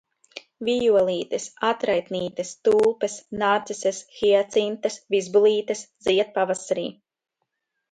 Vijolītes, atraitnītes, tulpes, narcises, hiacintes, vizbulītes zied pavasarī.